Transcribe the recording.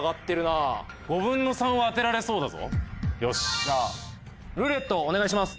じゃあ「ルーレット」をお願いします！